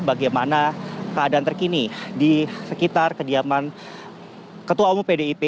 bagaimana keadaan terkini di sekitar kediaman ketua umum pdip